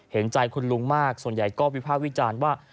เห็นใจคุณลุงมากส่วนใหญ่ก็วิภาควิจารณ์ว่า